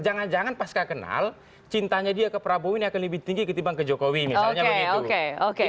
jangan jangan pas kak kenal cintanya dia ke prabowo ini akan lebih tinggi ketimbang ke jokowi misalnya begitu